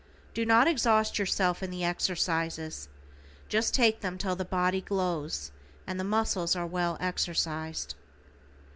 Do not exhaust yourself in the exercises, just take them till the body glows and the muscles are well exercised.